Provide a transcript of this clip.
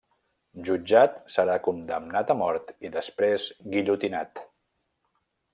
Jutjat, serà condemnat a mort i després guillotinat.